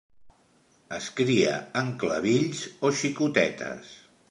Es cria en clavills o xicotetes.